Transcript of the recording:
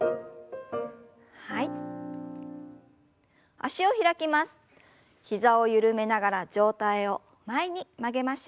脚を開きます。